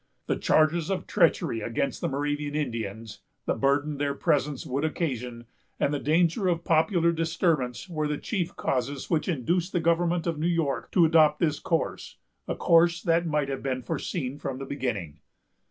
The charges of treachery against the Moravian Indians, the burden their presence would occasion, and the danger of popular disturbance, were the chief causes which induced the government of New York to adopt this course; a course that might have been foreseen from the beginning.